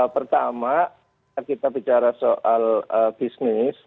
pertama kita bicara soal bisnis